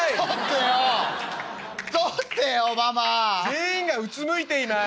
「全員がうつむいています」。